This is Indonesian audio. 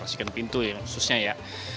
bersihkan pintu ya khususnya ya